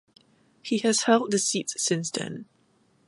He has held the seat since then.